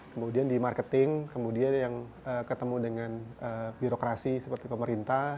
kemudian di marketing kemudian yang ketemu dengan birokrasi seperti pemerintah